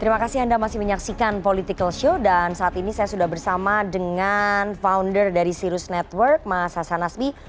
terima kasih anda masih menyaksikan political show dan saat ini saya sudah bersama dengan founder dari sirus network mas hasan nasbi